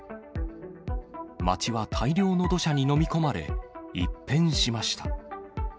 町は大量の土砂に飲み込まれ、一変しました。